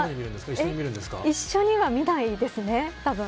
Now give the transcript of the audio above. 一緒には見ないですねたぶん。